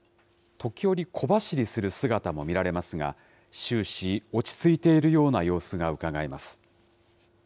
時折、小走りする姿も見られますが、終始、落ち着いているような様子がうかがえます。